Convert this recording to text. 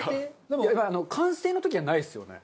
でも完成の時はないですよね。